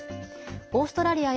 オーストラリア